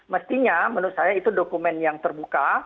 mestinya menurut saya itu dokumen yang terbuka